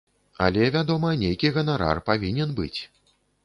Але, вядома, нейкі ганарар павінен быць.